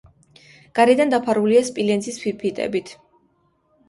გარედან დაფარულია სპილენძის ფირფიტებით.